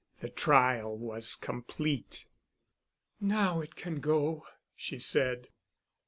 The trial was complete. "Now it can go," she said.